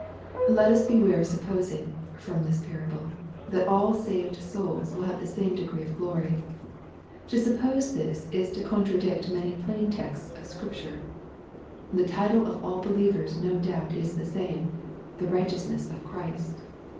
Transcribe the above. Let us beware of supposing, from this parable, that all saved souls will have the same degree of glory. To suppose this, is to contradict many plain texts of Scrip ture. The title of all believers no doubt is the same — the righteousness of Christ.